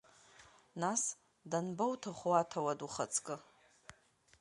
Нас, данбоуҭаху, аҭауад ухаҵкы?